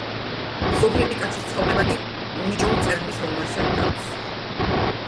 ზოგიერი კაცის ცხოვრება უნიჭო მწერლის რომანსა ჰგავს.